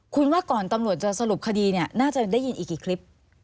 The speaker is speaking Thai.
คุณว่าก่อนตำรวจจะสรุปคดีเนี่ยน่าจะได้ยินอีกกี่คลิป